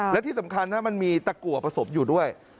และที่สำคัญมันมีตะกัวผสมอยู่ด้วย